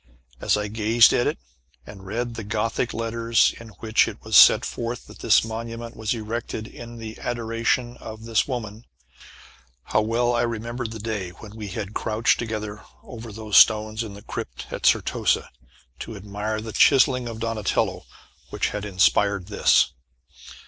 As I gazed at it, and read the gothic letters in which it was set forth that this monument was erected in adoration of this woman, how well I remembered the day when we had crouched together over those stones in the crypt at Certosa, to admire the chiselling of Donatello which had inspired this.